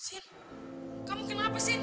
sin kamu kenapa sin